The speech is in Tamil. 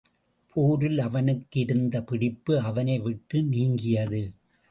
போரில் அவனுக்கு இருந்த பிடிப்பு அவனை விட்டு நீங்கியது.